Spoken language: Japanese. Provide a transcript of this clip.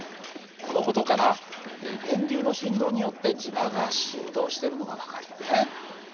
この事から電流の振動によって磁場が振動してるのが分かるよね。